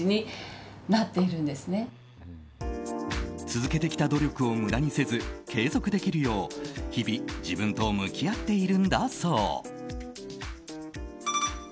続けてきた努力を無駄にせず継続できるよう日々、自分と向き合っているんだそう。